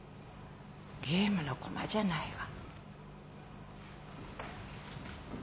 ゲームの駒じゃないわ。